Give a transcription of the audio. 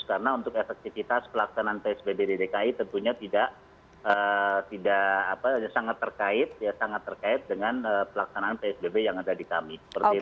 karena untuk efektivitas pelaksanaan psbb dki tentunya tidak sangat terkait dengan pelaksanaan psbb yang ada di kami